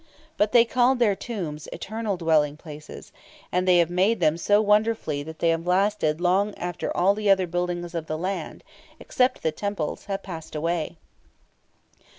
But they called their tombs "eternal dwelling places"; and they have made them so wonderfully that they have lasted long after all the other buildings of the land, except the temples, have passed away.